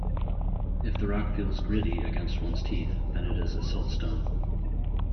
If the rock feels "gritty" against one's teeth, then it is a siltstone.